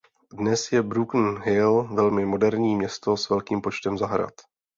Dnes je Broken Hill velmi moderní město s velkým počtem zahrad.